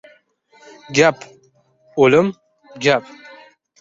— Gap, ulim, gap.